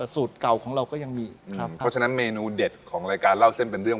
สูตรเก่าของเราก็ยังมีนะครับเพราะฉะนั้นเมนูเด็ดของรายการเล่าเส้นเป็นเรื่อง